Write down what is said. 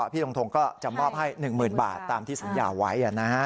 ทงทงก็จะมอบให้๑๐๐๐บาทตามที่สัญญาไว้